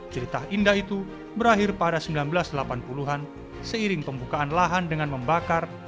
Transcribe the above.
cerita indah itu berakhir pada seribu sembilan ratus delapan puluh an seiring pembukaan lahan dengan membakar